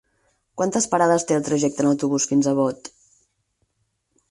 Quantes parades té el trajecte en autobús fins a Bot?